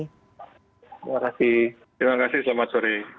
terima kasih terima kasih selamat sore